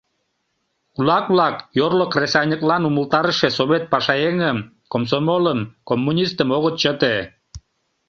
Кулак-влак йорло кресаньыклан умылтарыше совет пашаеҥым, комсомолым, коммунистым огыт чыте.